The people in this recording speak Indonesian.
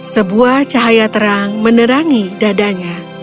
sebuah cahaya terang menerangi dadanya